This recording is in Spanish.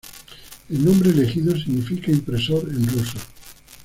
El nombre elegido significa impresor en ruso.